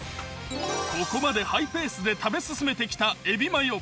ここまでハイペースで食べ進めてきたえびまよ。